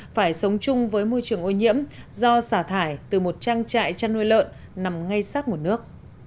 phải sống chung với môi trường ô nhiễm do xả thải từ một trang trại chăn nuôi lợn nằm ngay sát nguồn nước